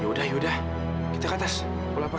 yaudah yaudah kita ke atas aku lapar